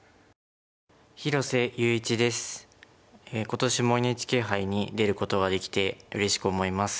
今年もＮＨＫ杯に出ることができてうれしく思います。